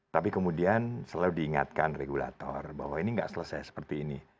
tapi kemudian selalu diingatkan regulator bahwa ini nggak selesai seperti ini